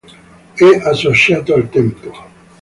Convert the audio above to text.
È associato al tempo.